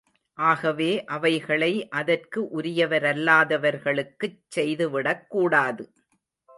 ஆகவே அவைகளை அதற்கு உரியவரல்லாதவர்களுக்குச் செய்துவிடக் கூடாது.